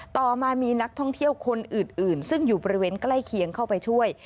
ต่อมามีนักท่องเที่ยวคนอื่นซึ่งอยู่บริเวณใกล้เคียงเข้าไปช่วย